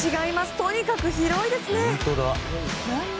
とにかく広いですね！